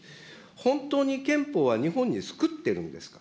本当に憲法は日本に巣くってるんですか。